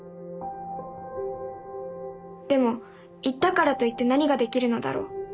でも行ったからといって何ができるのだろう。